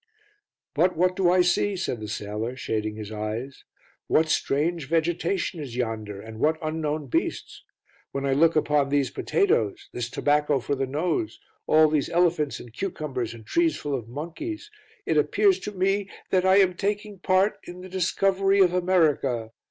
"But what do I see?" said the sailor, shading his eyes. "What strange vegetation is yonder and what unknown beasts? When I look upon these potatoes, this tobacco for the nose, all these elephants and cucumbers and trees full of monkeys, it appears to me that I am taking part in the discovery of America.